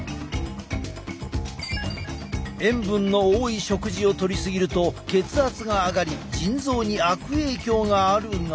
塩分の多い食事をとり過ぎると血圧が上がり腎臓に悪影響があるが。